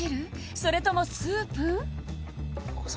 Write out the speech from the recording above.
それともスープ？